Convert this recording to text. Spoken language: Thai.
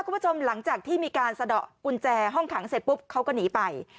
คุณผู้ชมหลังจากที่มีการสะดอกกุญแจห้องขังเสร็จปุ๊บเขาก็หนีไป